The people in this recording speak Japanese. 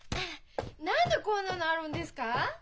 何でこんなのあるんですか？